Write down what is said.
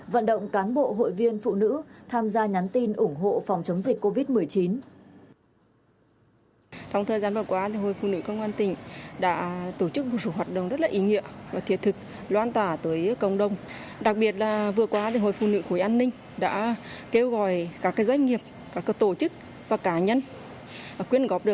vận động cán bộ hội viên phụ nữ tham gia nhắn tin ủng hộ phòng chống dịch covid một mươi chín